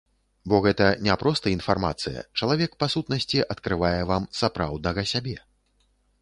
Бо гэта не проста інфармацыя, чалавек, па сутнасці, адкрывае вам сапраўднага сябе.